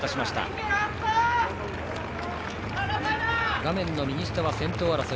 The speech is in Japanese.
画面右下は先頭争い。